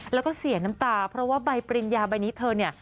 แล้วก็เสียน้ำตาเพราะว่าใบปริญญาใบนี้เธอเนี่ย